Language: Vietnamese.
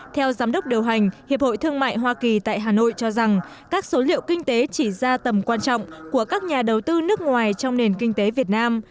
theo giám đốc điều hành hiệp hội thương mại hoa kỳ tại hà nội cho rằng các số liệu kinh tế chỉ ra tầm quan trọng của các nhà đầu tư nước ngoài trong nền kinh tế việt nam